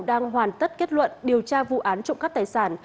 đang hoàn tất kết luận điều tra vụ án trộm cắp tài sản